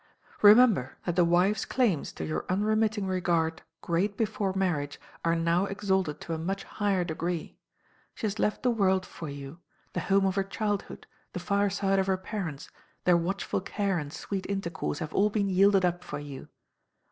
Remember that the wife's claims to your unremitting regard, great before marriage, are now exalted to a much higher degree. She has left the world for you the home of her childhood, the fireside of her parents, their watchful care and sweet intercourse have all been yielded up for you.